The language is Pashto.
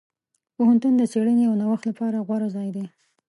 پوهنتون د څېړنې او نوښت لپاره غوره ځای دی.